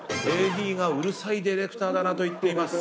ＡＤがうるさいディレクターだなと言っています。